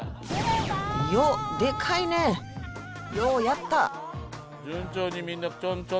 よっでかいねようやった！